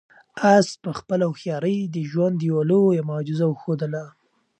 آس په خپله هوښیارۍ د ژوند یوه لویه معجزه وښودله.